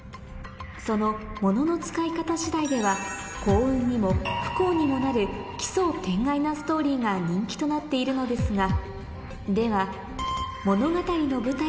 そのモノの使い方次第では幸運にも不幸にもなる奇想天外なストーリーが人気となっているのですがではこれ。